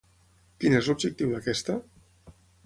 Quin és l'objectiu d'aquesta?